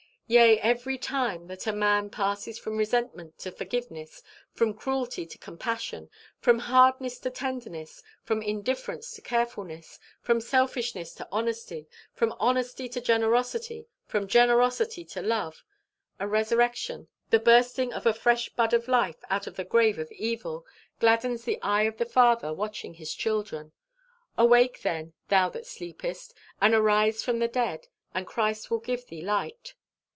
Yea, every time that a man passes from resentment to forgiveness, from cruelty to compassion, from hardness to tenderness, from indifference to carefulness, from selfishness to honesty, from honesty to generosity, from generosity to love, a resurrection, the bursting of a fresh bud of life out of the grave of evil, gladdens the eye of the Father watching his children. Awake, then, thou that sleepest, and arise from the dead, and Christ will give thee light.